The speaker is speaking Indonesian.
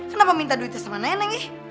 kenapa minta duitnya sama nenek ya